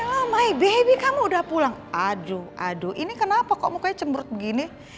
halo my baby kamu udah pulang aduh aduh ini kenapa kok mukanya cemburt begini